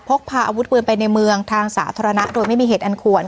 พกพาอาวุธปืนไปในเมืองทางสาธารณะโดยไม่มีเหตุอันควร